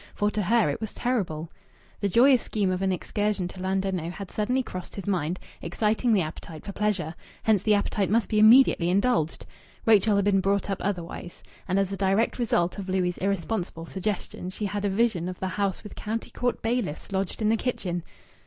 (For to her it was terrible.) The joyous scheme of an excursion to Llandudno had suddenly crossed his mind, exciting the appetite for pleasure. Hence the appetite must be immediately indulged!... Rachel had been brought up otherwise. And as a direct result of Louis' irresponsible suggestion she had a vision of the house with county court bailiffs lodged in the kitchen....